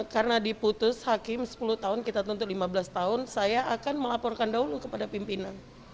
karena diputus hakim sepuluh tahun kita tuntut lima belas tahun saya akan melaporkan dahulu kepada pimpinan